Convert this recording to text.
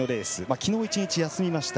きのう１日休みました。